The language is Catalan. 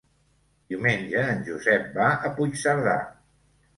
Diumenge en Josep va a Puigcerdà.